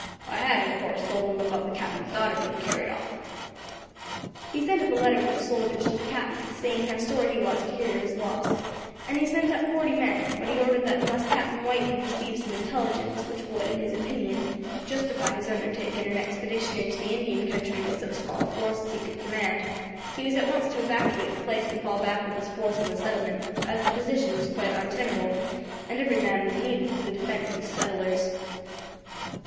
I had, in course, told him about the Captain's daughter being carried off. "He sent up a letter with the soldiers to the Captain, saying how sorry he was to hear of his loss, and he sent up forty men; but he ordered that unless Captain White had received some intelligence which would, in his opinion, justify his undertaking an expedition into the Indian country with so small a force as he could command, he was at once to evacuate the place and fall back with his force on the settlement, as the position was quite untenable, and every man was needed for the defence of the settlers.